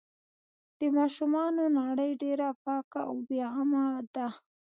د ماشومانو نړۍ ډېره پاکه او بې غمه ده.